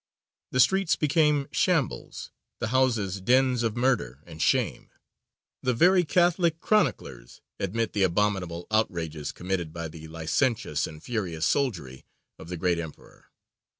The streets became shambles, the houses dens of murder and shame: the very Catholic chroniclers admit the abominable outrages committed by the licentious and furious soldiery of the great Emperor.